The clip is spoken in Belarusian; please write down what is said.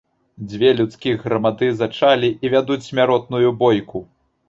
Дзве людскіх грамады зачалі і вядуць смяротную бойку.